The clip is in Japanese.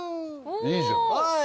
いいじゃん！